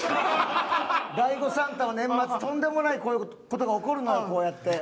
大悟サンタは年末とんでもないことが起こるのよ、こうやって。